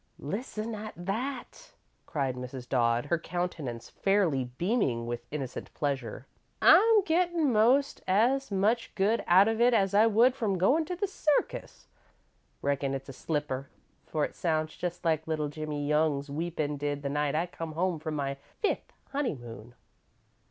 "Listen at that!" cried Mrs. Dodd, her countenance fairly beaming with innocent pleasure. "I'm gettin' most as much good out of it as I would from goin' to the circus. Reckon it's a slipper, for it sounds just like little Jimmie Young's weepin' did the night I come home from my fifth honeymoon.